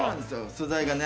素材がね。